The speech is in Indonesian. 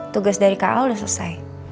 tugas dari ka sudah selesai